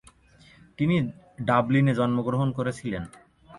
তিনি ডাবলিনে জন্মগ্রহণ করেছিলেন।